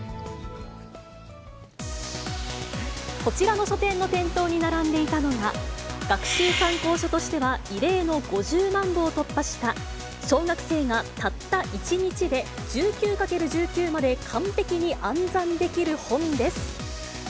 こちらの書店の店頭に並んでいたのが、学習参考書としては異例の５０万部を突破した、小学生がたった１日で１９×１９までかんぺきに暗算できる本です。